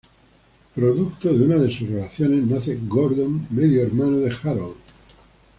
Producto de una de sus relaciones nace Gordon, medio hermano de Harold.